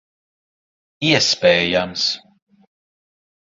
Iespējams.